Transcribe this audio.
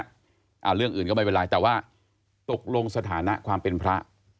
เรื่องอื่นก็ไม่เป็นไรแต่ว่าตกลงสถานะความเป็นพระ